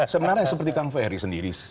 sebenarnya seperti kang ferry sendiri